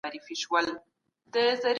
ښکلا خوښول فطرت دی.